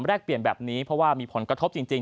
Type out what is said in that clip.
แรกเปลี่ยนแบบนี้เพราะว่ามีผลกระทบจริง